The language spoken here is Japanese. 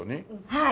はい。